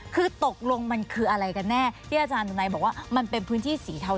คือตกลงมันคืออะไรกันแน่ที่อาจารย์สุนัยบอกว่ามันเป็นพื้นที่สีเทา